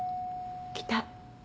来た。